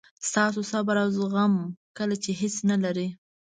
ستاسو صبر او زغم کله چې هیڅ نه لرئ.